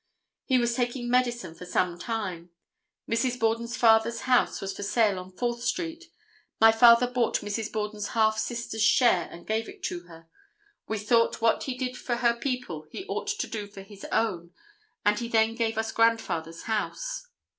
He was taking medicine for some time. Mrs. Borden's father's house was for sale on Fourth street. My father bought Mrs. Borden's half sister's share and gave it to her. We thought what he did for her people he ought to do for his own and he then gave us grandfather's house.